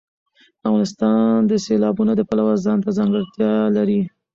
افغانستان د سیلابونه د پلوه ځانته ځانګړتیا لري.